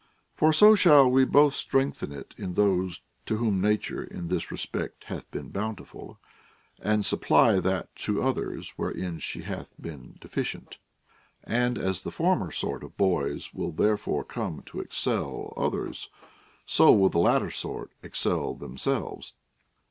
For so shall we both strengthen it in those to Avhom Nature in this respect hath been bountiful, and supply that to others wherein she hath been deficient. And as the former sort of boys will thereby come to excel others, so will the latter sort excel themselves.